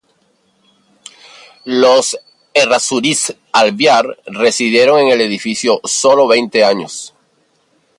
Los Errázuriz-Alvear residieron en el edificio sólo veinte años.